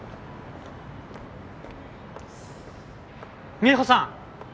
美帆さん！